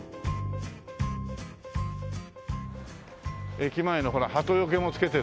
駅前のほらハトよけも付けてるし。